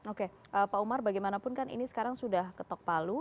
oke pak umar bagaimanapun kan ini sekarang sudah ketok palu